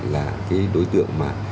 là cái đối tượng mà